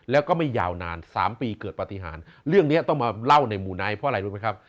แล้วก็ไม่ยาวนาน๓ปีเกิดปฏิหารเรื่องนี้ต้องมาเล่าในหมู่ไนท์เพราะอะไรรู้ไหมครับ